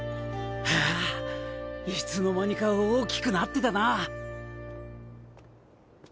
ああいつの間にか大きくなってたな。